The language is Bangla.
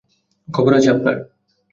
খবর আছে আপনার!